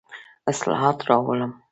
اصلاحات راولم.